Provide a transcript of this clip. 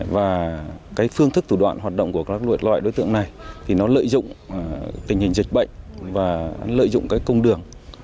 và phương thức tủ đoạn hoạt động của các loại đối tượng này lợi dụng tình hình dịch bệnh và lợi dụng công đường